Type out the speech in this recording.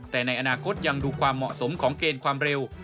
แต่ในอนาคตยังดูความเหมาะสมของเกณฑ์ความเร็ว